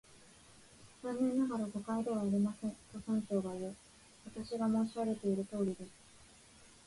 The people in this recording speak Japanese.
「残念ながら、誤解ではありません」と、村長がいう。「私が申し上げているとおりです」